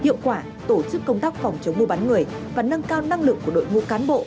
hiệu quả tổ chức công tác phòng chống mua bán người và nâng cao năng lực của đội ngũ cán bộ